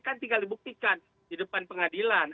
kan tinggal dibuktikan di depan pengadilan